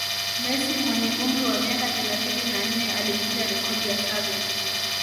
Messi mwenye umri wa miaka thelathini na nne alivunja rekodi ya Xavi